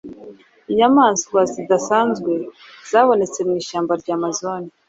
inyamaswa zidasanzwe zabonetse mu ishyamba rya amazon